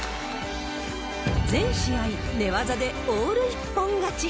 全試合、寝技でオール一本勝ち。